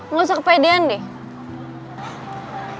gak usah kepedean deh